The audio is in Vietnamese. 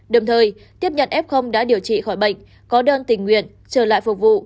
đồng thời tiếp nhận f đã điều trị khỏi bệnh có đơn tình nguyện trở lại phục vụ